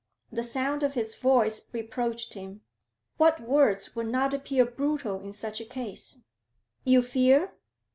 The sound of his voice reproached him; what words would not appear brutal in such a case? 'You fear